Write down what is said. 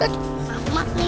aduh amat nih